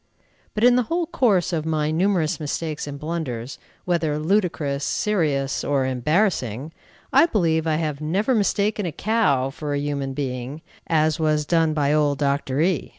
But in the whole course of my numerous mistakes and blunders, whether ludicrous, serious, or embarrassing, I believe I have never mistaken a cow for a human being, as was done by old Dr. E